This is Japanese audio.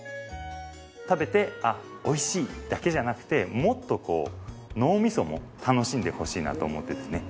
食べて「あっおいしい」だけじゃなくてもっと脳みそも楽しんでほしいなと思ってですね